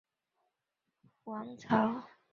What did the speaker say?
与哥疾宁王朝瓜分萨曼王朝。